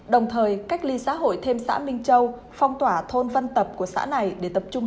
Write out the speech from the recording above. đồng thời cách ly xã hội thêm xã minh châu phong tỏa thôn văn tập của xã này để tập trung